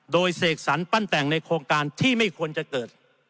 โดยเสกสรรปั้นแต่งในโครงการที่ไม่ควรจะเกิด